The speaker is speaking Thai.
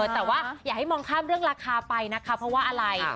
แต่ว่าอย่าให้มองข้ามเรื่องราคาไปนะคะเพราะว่าอะไร